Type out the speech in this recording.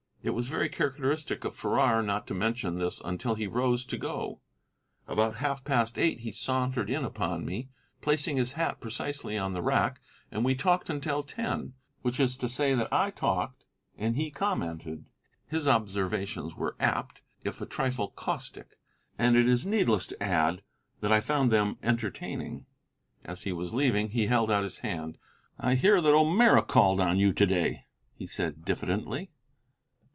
It was very characteristic of Farrar not to mention this until he rose to go. About half past eight he sauntered in upon me, placing his hat precisely on the rack, and we talked until ten, which is to say that I talked and he commented. His observations were apt, if a trifle caustic, and it is needless to add that I found them entertaining. As he was leaving he held out his hand. "I hear that O'Meara called on you to day," he said diffidently.